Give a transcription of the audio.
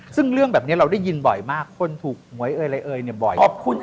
ซึ่งเรื่องแบบนี้เราได้ยินบ่อยมากคนถูกหมวยอะไรบ่อย